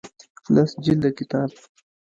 لس جلده کتاب